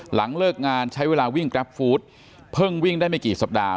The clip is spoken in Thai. หลังเลิกงานใช้เวลาวิ่งกราฟฟู้ดเพิ่งวิ่งได้ไม่กี่สัปดาห